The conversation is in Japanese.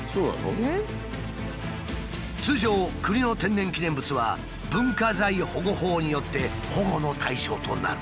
通常国の天然記念物は文化財保護法によって保護の対象となる。